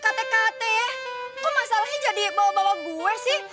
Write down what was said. eh eh eh eh sekate kate ya kok masalahnya jadi bawa bawa gue sih